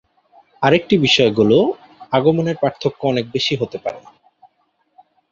আরেকটি বিষয় গল, আগমনের পার্থক্য অনেক বেশি হতে পারে।